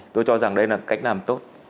tôi cho rằng đây là cách làm tốt